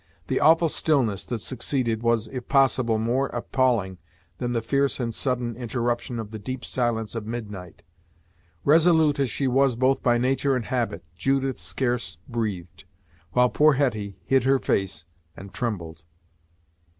The awful stillness that succeeded was, if possible, more appalling than the fierce and sudden interruption of the deep silence of midnight. Resolute as she was both by nature and habit, Judith scarce breathed, while poor Hetty hid her face and trembled.